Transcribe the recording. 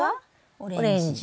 オレンジ。